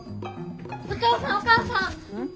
お父さんお母さん！